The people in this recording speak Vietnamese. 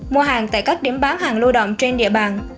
mua hàng tại các điểm bán hàng lưu động trên địa bàn